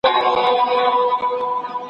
زه به سبا د سبا پلان جوړوم.